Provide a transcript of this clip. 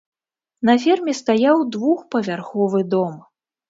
На ферме стаяў двухпавярховы дом.